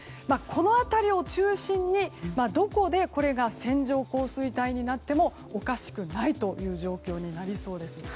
この辺りを中心にどこで線状降水帯になってもおかしくないという状況になりそうです。